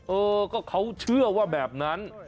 เออก็เขาเชื่อว่าแบบนั้น